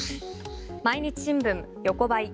毎日新聞、横ばい。